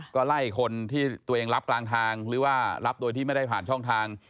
ก็ไล่คนที่ตัวเองรับกลางทางหรือว่ารับโดยที่ไม่ได้ผ่านช่องทาง